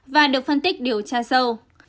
và được phân tích điều tra sâu